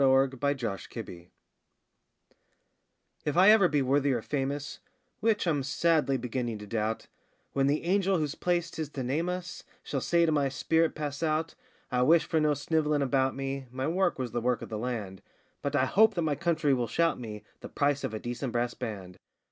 THE JOLLY DEAD MARCH If I ever be worthy or famous Which I'm sadly beginning to doubt When the angel whose place 'tis to name us Shall say to my spirit, 'Pass out!' I wish for no sniv'lling about me (My work was the work of the land), But I hope that my country will shout me The price of a decent brass band.